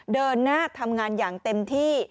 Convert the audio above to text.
เดินหน้าทำงานอย่างเต็มที่